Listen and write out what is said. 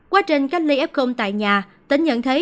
quá trình cách ly f tại nhà tính nhận thấy